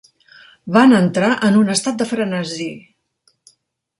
Van entrar en un estat de frenesí.